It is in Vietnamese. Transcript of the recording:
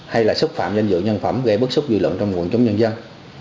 hay là xúc phạm danh dự nhân phẩm gây bức xúc dư luận trong nguồn chống nhân dân